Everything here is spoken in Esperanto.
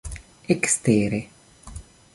ekstere